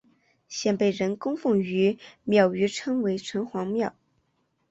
现被人供奉于庙宇称为城隍庙。